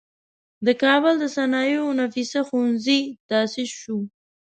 د کابل د صنایعو نفیسه ښوونځی تاسیس شو.